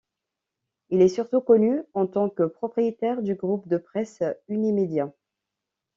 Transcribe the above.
Il est surtout connu en tant que propriétaire du groupe de presse Unimédia.